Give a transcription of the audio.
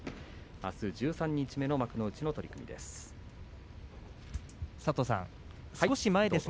あす十三日目の幕内の取組でした。